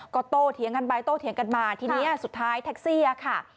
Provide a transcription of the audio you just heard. ก็โตเถียงกันไปโต้เถียงกันมาทีนี้สุดท้ายแท็กซี่ค่ะ